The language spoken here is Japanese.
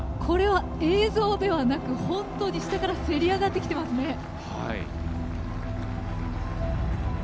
これは映像ではなく下からせり上がってきてますね。